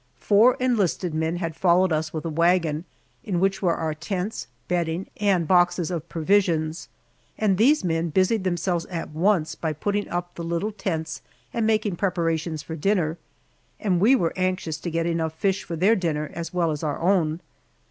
Four enlisted men had followed us with a wagon, in which were our tents, bedding, and boxes of provisions, and these men busied themselves at once by putting up the little tents and making preparations for dinner, and we were anxious to get enough fish for their dinner as well as our own.